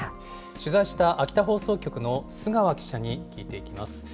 取材した秋田放送局の須川記者に聞いていきます。